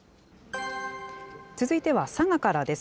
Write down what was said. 続いては佐賀からです。